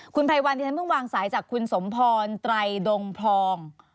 คุณไพรวันที่ฉันเพิ่งวางสายจากคุณสมพรไตรดงพอง